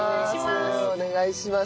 お願いします。